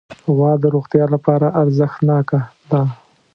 غوا د روغتیا لپاره ارزښتناکه ده.